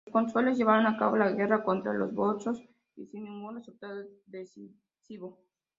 Los cónsules llevaron a cabo la guerra contra los volscos sin ningún resultado decisivo.